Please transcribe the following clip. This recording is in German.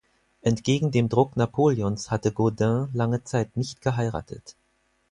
Entgegen dem Druck Napoleons hatte Gaudin lange Zeit nicht geheiratet.